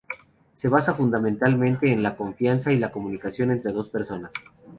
Se basa fundamentalmente en la confianza y la comunicación entre dos personas.